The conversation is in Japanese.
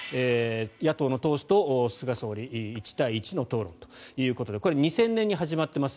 野党の党首と菅総理１対１の討論ということでこれ、２０００年に始まっています。